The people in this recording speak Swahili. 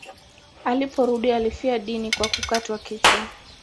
Aliporudi alifia dini kwa kukatwa kichwa.